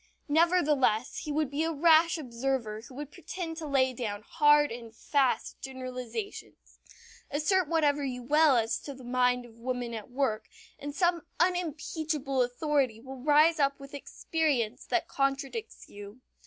Nevertheless, he would be a rash observer who would pretend to lay down hard and fast generalizations. Assert whatever you will as to the mind of woman at work and some unimpeachable authority will rise up with experience that contradicts you.